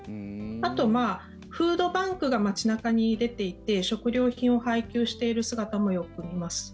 あと、フードバンクが街中に出ていて食料品を配給している姿もよく見ます。